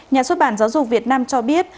nhà xuất bản giáo dục việt nam cho biết